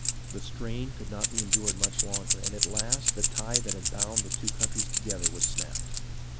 The strain could not be endured much longer, and at last the tie that had bound the two countries together was snapped.